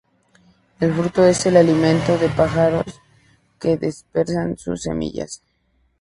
El fruto es el alimento de pájaros que dispersan sus semillas.